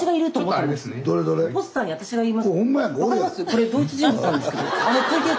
これ同一人物なんですけど。